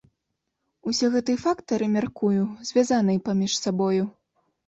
Усе гэтыя фактары, мяркую, звязаныя паміж сабою.